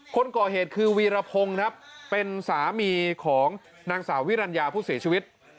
คนก่อเหตุคือวีรพงศ์ครับเป็นสามีของนางสาววิรัญญาผู้เสียชีวิต